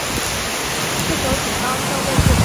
四手井纲正为日本陆军军人。